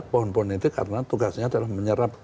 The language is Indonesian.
pohon pohon itu karena tugasnya adalah menyerap